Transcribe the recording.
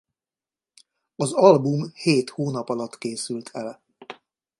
Az album hét hónap alatt készült el.